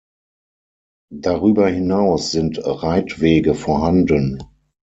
Darüber hinaus sind Reitwege vorhanden.